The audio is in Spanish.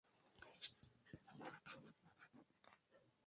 Desde entonces ha sido reimpreso en "Radical Feminism: A Documentary Reader".